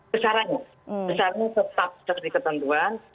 besarnya tetap seperti ketentuan